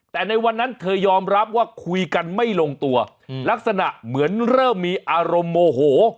แต่ในวันนั้นเธอยอมรับว่าคุยกันไม่ลงตัวลักษณะเหมือนเริ่มมีอารมณ์โมโห